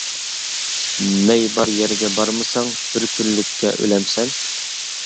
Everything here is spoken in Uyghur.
مەي بار يەرگە بارمىساڭ، بىر كۈنلۈككە ئۆلەمسەن.